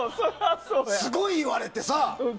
すごい言われてさ。